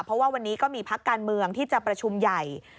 เพราะว่าวันนี้ก็มีพักการเมืองที่จะประชุมใหญ่